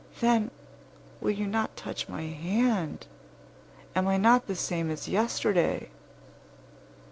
Then, will you not touch my hand? Am I not the same as yesterday?"